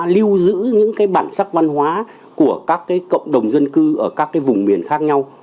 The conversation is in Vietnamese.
lưu giữ những bản sắc văn hóa của các cộng đồng dân cư ở các vùng miền khác nhau